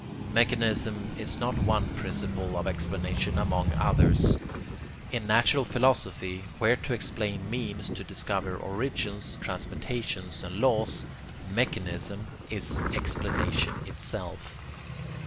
Mechanism is not one principle of explanation among others. In natural philosophy, where to explain means to discover origins, transmutations, and laws, mechanism is explanation itself.